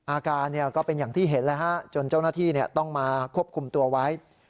อาการก็เป็นอย่างที่เห็นแล้วฮะจนเจ้าหน้าที่ต้องมาควบคุมตัวไว้